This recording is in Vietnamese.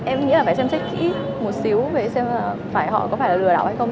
em nghĩ là phải xem xét kỹ một xíu về xem là phải họ có phải là lừa đảo hay không